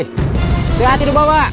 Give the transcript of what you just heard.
hati hati di bawah